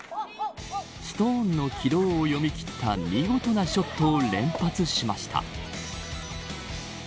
ストーンの軌道を読み切った見事なショットを連発しました。